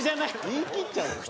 言い切っちゃうとさ。